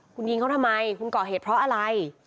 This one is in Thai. คุณยิงเขาทำไมคุณก่อเหตุเพราะอะไร